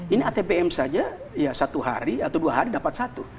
ini atbm saja ya satu hari atau dua hari dapat satu